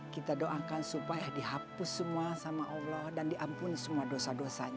kita doakan supaya dihapus semua sama allah dan diampuni semua dosa dosanya